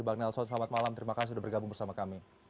bang nelson selamat malam terima kasih sudah bergabung bersama kami